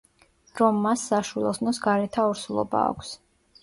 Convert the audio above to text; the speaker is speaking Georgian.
რომ მას საშვილოსნოს გარეთა ორსულობა აქვს.